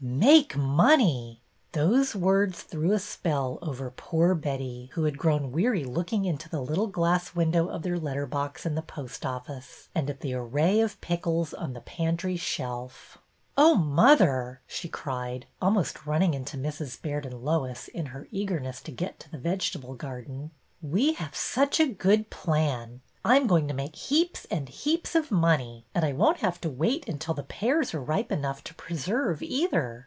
Make money !" Those words threw a spell over poor Betty, who had grown weary looking into the little glass window of their letter box in the post office and at the array of pickles on the pantry shelf. Oh, mother," she cried, almost running into Mrs. Baird and Lois, in her eagerness to get to the vegetable garden. ''We have such a good plan. I 'm going to make heaps and heaps of money, and I won't have to wait until the pears are ripe enough to preserve, either.